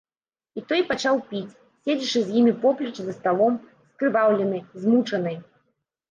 І той пачаў піць, седзячы з імі поплеч за сталом, скрываўлены, змучаны.